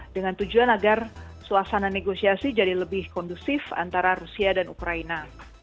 dengan tujuan agar suasana negosiasi jadi lebih kondusif antara rusia dan ukraina